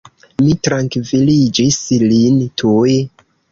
Mi trankviliĝis lin tuj.